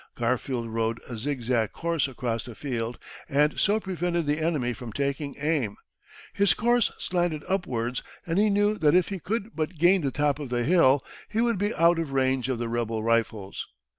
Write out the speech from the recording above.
Garfield rode a zig zag course across the field, and so prevented the enemy from taking aim. His course slanted upwards, and he knew that if he could but gain the top of the hill, he would be out of range of the rebel rifles.